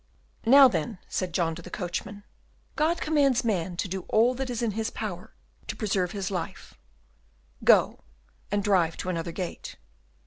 "Now then," said John to the coachman, "God commands man to do all that is in his power to preserve his life; go, and drive to another gate."